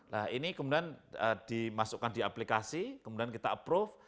nah ini kemudian dimasukkan di aplikasi kemudian kita approve